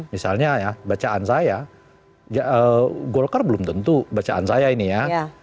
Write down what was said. misalnya ya bacaan saya golkar belum tentu bacaan saya ini ya